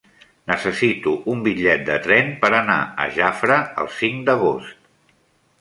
Necessito un bitllet de tren per anar a Jafre el cinc d'agost.